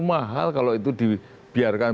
mahal kalau itu dibiarkan